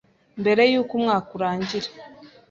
mbere y’uko umwaka urangira